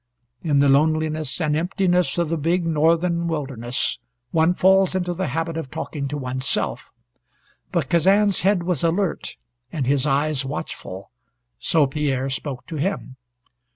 In the loneliness and emptiness of the big northern wilderness one falls into the habit of talking to one's self. But Kazan's head was alert, and his eyes watchful, so Pierre spoke to him.